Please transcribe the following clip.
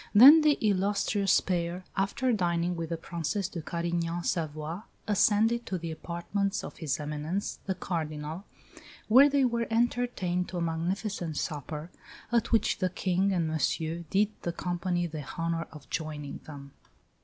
Then the illustrious pair, after dining with the Princesse de Carignan Savoie, ascended to the apartments of his Eminence, the Cardinal, where they were entertained to a magnificent supper, at which the King and Monsieur did the company the honour of joining them."